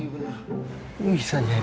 iya bener bisa nyasar